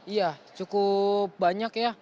iya cukup banyak ya